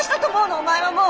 お前はもう。